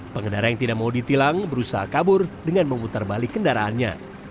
pengendara yang tidak mau ditilang berusaha kabur dengan memutar balik kendaraannya